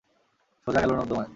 সোজা গেল নর্দমায়!